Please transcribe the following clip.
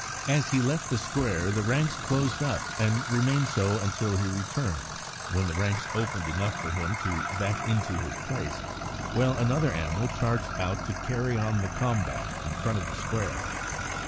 As he left the square the ranks closed up and remained so until he returned, when the ranks opened enough for him to back into his place, while another charged out to carry on the combat in front of the square.